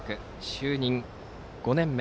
就任５年目。